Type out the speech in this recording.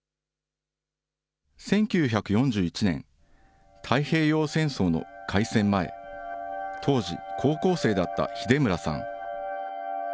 １９４１年、太平洋戦争の開戦前、当時、高校生だった秀村さん。